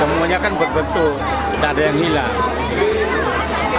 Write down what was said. semuanya kan berbentuk tak ada yang hilang